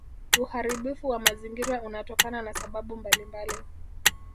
uharibifu wa mazingira unatokana na sababu mbalimbali